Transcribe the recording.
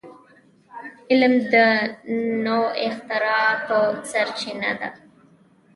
علم د نوو اختراعاتو سرچینه ده.